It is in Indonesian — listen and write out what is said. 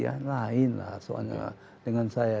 ya lainlah soalnya dengan saya